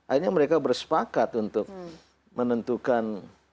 akhirnya mereka bersepakat untuk menentukan